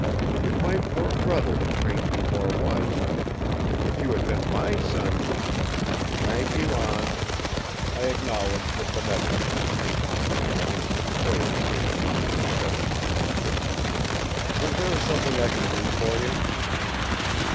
If my poor brother had trained you more wisely; if you had been my son " "Thank you, Aunt," I acknowledged the benevolent intention, with an inward quailing at the clank of fetters suggested. "Was there something I can do for you?"